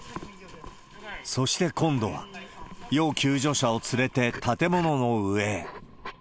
そして今度は、要救助者を連れて建物の上へ。